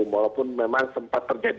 walaupun memang sempat terjadi